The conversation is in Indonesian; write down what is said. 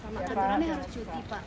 pak maturannya harus cuti pak